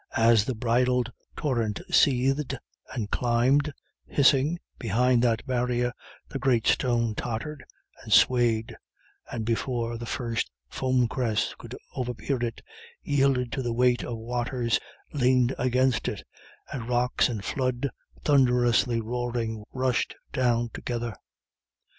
As the bridled torrent seethed and climbed, hissing, behind that barrier, the great stone tottered and swayed, and before the first foam crest could overpeer it, yielded to the weight of waters leaned against it, and rocks and flood, thunderously roaring, rushed down together.